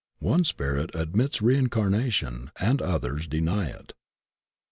One spirit admits reincarnation and others deny it.